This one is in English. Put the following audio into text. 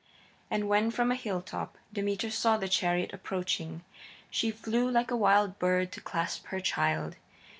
And when, from a hilltop, Demeter saw the chariot approaching, she flew like a wild bird to clasp her child.